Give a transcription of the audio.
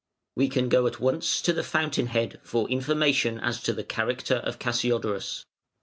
We can go at once to the fountain head for information as to the character of Cassiodorus.